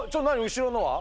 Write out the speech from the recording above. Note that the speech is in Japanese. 後ろのは。